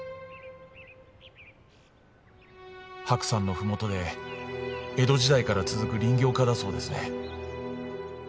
白山のふもとで江戸時代から続く林業家だそうですね。